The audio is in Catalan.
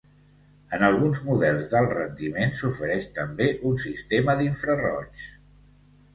En alguns models d'alt rendiment s'ofereix també un sistema d'infraroigs.